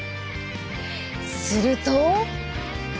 すると。